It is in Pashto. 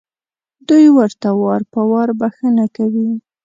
دوی ورته وار په وار بښنه کوي.